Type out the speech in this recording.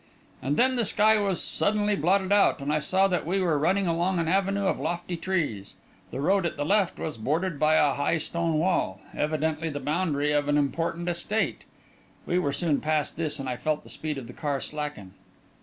And then the sky was suddenly blotted out, and I saw that we were running along an avenue of lofty trees. The road at the left was bordered by a high stone wall, evidently the boundary of an important estate. We were soon past this, and I felt the speed of the car slacken.